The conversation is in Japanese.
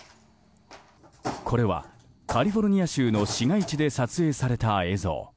これはカリフォルニア州の市街地で撮影された映像。